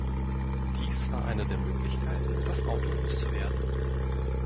Dies war eine der Möglichkeiten, das Auto loszuwerden.